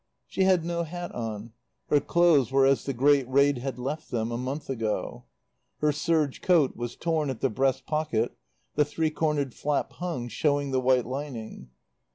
She had no hat on. Her clothes were as the great raid had left them, a month ago. Her serge coat was torn at the breast pocket, the three cornered flap hung, showing the white lining.